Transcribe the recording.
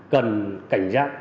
cần cảnh giác